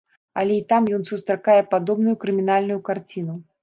Але і там ён сустракае падобную крымінальную карціну.